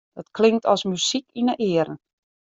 Dat klinkt as muzyk yn 'e earen.